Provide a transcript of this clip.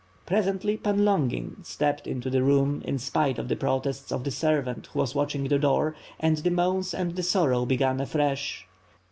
Presently Pan Longin stepped into the room in spite of the protests of the servant who was watching the door, and the moans and the sorrow began afresh.